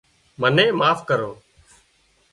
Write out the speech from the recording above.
منين معاف ڪرو